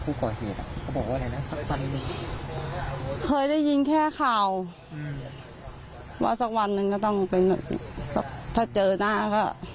ผู้ปลอดเขตเขาบอกไหนนะสักปันหนึ่ง